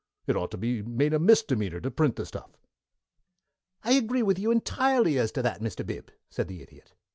It ought to be made a misdemeanor to print the stuff." "I agree with you entirely as to that, Mr. Bib," said the Idiot.